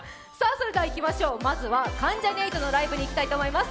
それではまずは関ジャニ∞のライブにいきたいと思います。